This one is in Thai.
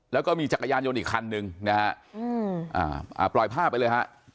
แล้วก็มีจักรยานยนต์อีกคันนึงนะฮะปล่อยภาพไปเลยฮะ